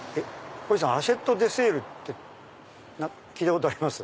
こひさんアシェットデセールって聞いたことあります？